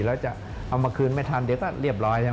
แล้วจะเอามาคืนไม่ทันเดี๋ยวก็เรียบร้อยใช่ไหม